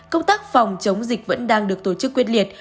công tác phòng chống dịch vẫn đang được tổ chức quyết liệt